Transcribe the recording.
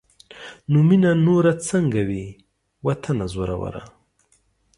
نو مينه نوره سنګه وي واطنه زوروره